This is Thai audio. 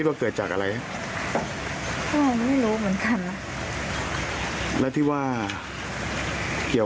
แต่เลยหนีไปครับเลย